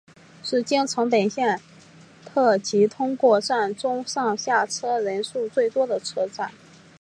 是京成本线特急通过站中上下车人次最多的车站。